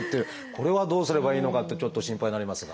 これはどうすればいいのかってちょっと心配になりますが。